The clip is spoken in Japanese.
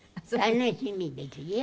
楽しみですよ。